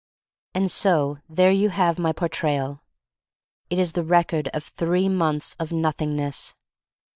AND so there you have my Por trayal. It is the record of three months of Nothingness.